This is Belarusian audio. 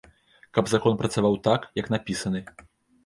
Каб закон працаваў так, як напісаны.